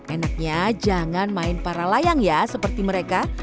enaknya jangan main para layang ya seperti mereka